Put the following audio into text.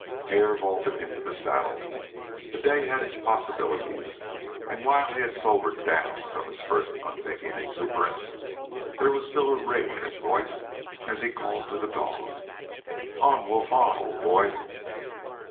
Hare vaulted into the saddle. The day had its possibilities, and while he had sobered down from his first unthinking exuberance, there was still a ring in his voice as he called to the dog: "On, Wolf, on, old boy!"